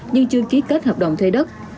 nhưng chưa ký kết hợp đồng thuê đất